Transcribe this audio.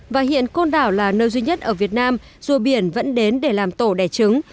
và hiện côn đảo là nơi duy nhất ở việt nam rùa biển vẫn đến để làm tổ đẻ trứng